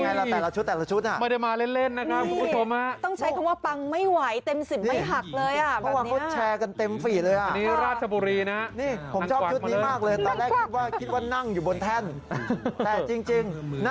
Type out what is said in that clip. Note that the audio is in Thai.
อ๋อนึกว่าเลื่อนเอาไม่ใช่นะ